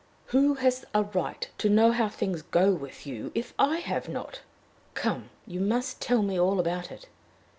"Who has a right to know how things go with you, if I have not? Come, you must tell me all about it."